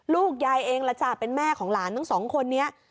ลูกยายเอกละจ๊ะเป็นแม่ของหลานสองคนนี้